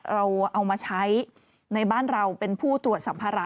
เราเอามาใช้ในบ้านเราเป็นผู้ตรวจสัมภาระ